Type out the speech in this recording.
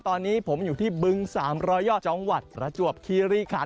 ตอนนี้ผมอยู่ที่บึง๓๐๐ยอดจังหวัดประจวบคีรีคัน